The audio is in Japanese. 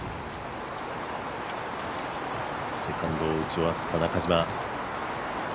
セカンドを打ち終わった中島。